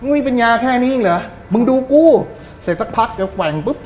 มันไม่มีเป็นยาแค่นี้อีกหรือมึงดูกู้เสร็จสักพักจะแกว่งปุ๊บ